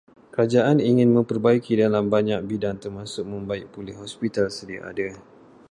Kerajaan ingin memperbaiki dalam banyak bidang termasuk membaik pulih hospital sedia ada.